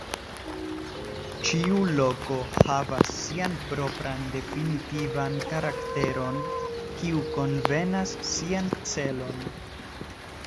Ĉiu loko havas sian propran definitivan karakteron kiu konvenas sian celon.